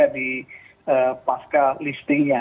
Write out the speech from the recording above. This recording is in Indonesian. harga di pasca listingnya